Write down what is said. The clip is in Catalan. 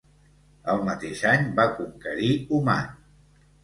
El mateix any va conquerir Oman.